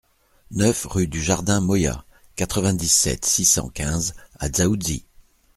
neuf rue du Jardin Moya, quatre-vingt-dix-sept, six cent quinze à Dzaoudzi